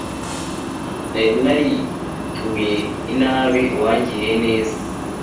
niba narituye inabi uwangiriye neza